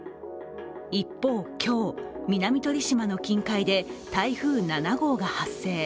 一方、今日、南鳥島の近海で台風７号が発生。